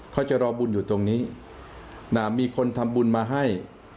เขาจะรอบุญอยู่ตรงนี้มีคนทำบุญมาให้